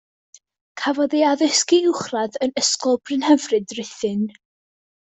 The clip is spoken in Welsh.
Cafodd ei addysg uwchradd yn Ysgol Brynhyfryd, Rhuthun.